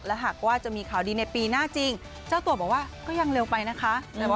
และหากว่าจะมีข่าวดีในปีหน้าจริงเจ้าตัวบอกว่าก็ยังเร็วไปนะคะ